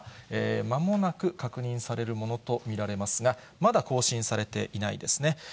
まもなく確認されるものと見られますが、まだ更新されていないですね。